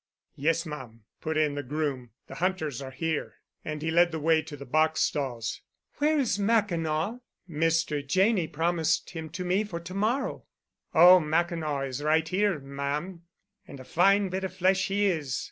"Yes, ma'am," put in the groom. "The hunters are here," and he led the way to the box stalls. "Where is Mackinaw? Mr. Janney promised him to me for to morrow." "Oh, Mackinaw is right here, ma'am. And a fine bit of flesh he is."